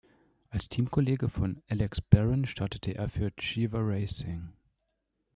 Als Teamkollege von Alex Barron startete er für Cheever Racing.